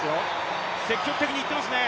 積極的にいってますね。